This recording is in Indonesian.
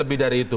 lebih dari itu